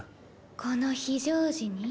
この非常時に？